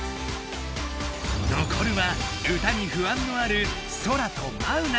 のこるは歌に不安のあるソラとマウナ！